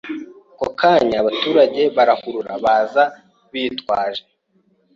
ako kanya abaturage barahurura baza bitwaje